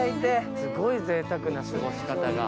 すごいぜいたくな過ごし方が。